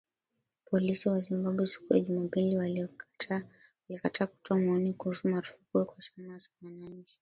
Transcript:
Polisi wa Zimbabwe siku ya Jumapili walikataa kutoa maoni kuhusu marufuku kwa chama cha wananchi